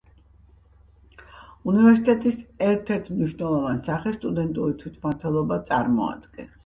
უნივერსიტეტის ერთ-ერთ მნიშვნელოვან სახეს სტუდენტური თვითმმართველობა წარმოადგენს.